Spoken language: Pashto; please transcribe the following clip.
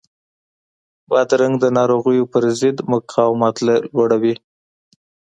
بادرنګ د ناروغیو پر ضد مقاومت لوړوي.